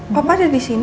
papa ada di sini